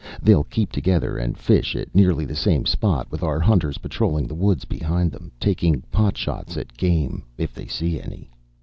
They'll keep together and fish at nearly the same spot, with our hunters patrolling the woods behind them, taking pot shots at game, if they see any.